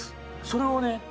それをね